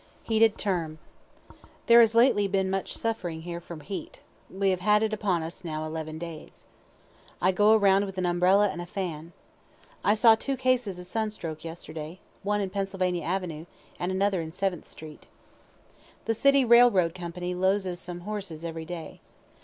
HEATED TERM There has lately been much suffering here from heat; we have had it upon us now eleven days. I go around with an umbrella and a fan. I saw two cases of sun stroke yesterday, one in Pennsylvania avenue, and another in Seventh street. The City railroad company loses some horses every day.